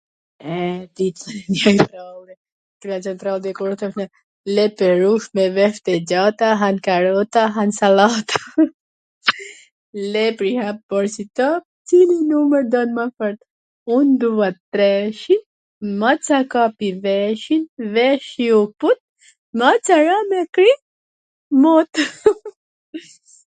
E, di ca nga kto....: lepurush me vesh tw gjata/ han karrota han sallata/ lepri hap porsi top / cilin numwr don mw fort? / un dua treshin / maca kapi veshin, / veshi u kput / maca ra me kri n... mut!